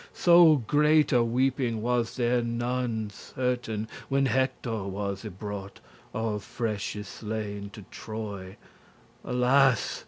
So great a weeping was there none certain, When Hector was y brought, all fresh y slain, To Troy: alas!